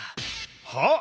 はっ！？